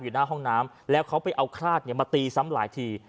อยู่หน้าห้องน้ำแล้วเขาไปเอาคลาญเนี่ยมาตีซ้ำหลายที